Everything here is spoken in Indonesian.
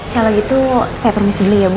kalau gitu saya permisi dulu ya bu